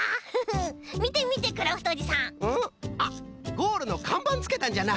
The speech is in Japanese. ゴールのかんばんつけたんじゃな。